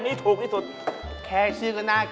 ดูตามก่อนอ่ะ